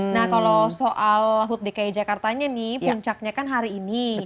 nah kalau soal hut dki jakartanya nih puncaknya kan hari ini